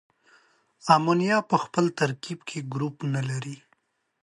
امونیا په خپل ترکیب کې ګروپ نلري.